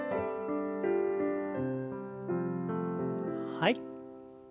はい。